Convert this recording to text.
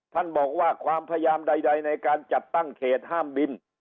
ท่านบอกว่าความพยายามใดในการจัดตั้งเขตห้ามบิน